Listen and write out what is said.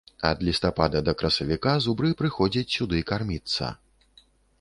Ад лістапада да красавіка зубры прыходзяць сюды карміцца.